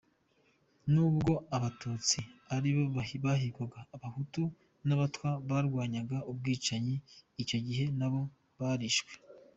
Nubwo Abatutsi aribo bahigwaga, Abahutu n’Abatwa barwanyaga ubwicanyi icyo gihe nabo barishwe.”